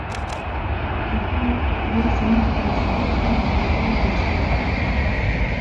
Behram, yek ji neh gerstêrkên Pergala Rojê ye